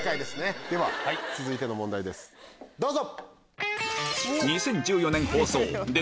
続いての問題ですどうぞ！